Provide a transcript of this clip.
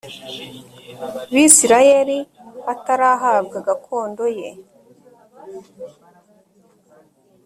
bisirayeli atarahabwa gakondo ye